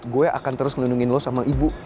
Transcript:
gue akan terus ngelindungin lo sama ibu